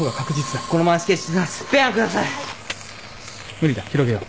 無理だ広げよう。